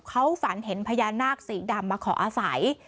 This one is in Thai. เขาฝันเห็นพญานาคสีดำมาขออาศัย